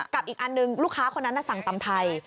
อีกอันหนึ่งลูกค้าคนนั้นสั่งตำไทย